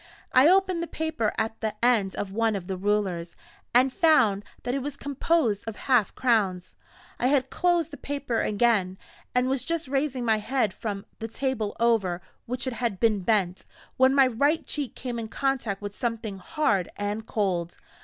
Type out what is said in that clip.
I opened the paper at the end of one of the rulers, and found that it was composed of half crowns. I had closed the paper again, and was just raising my head from the table over which it had been bent, when my right cheek came in contact with something hard and cold.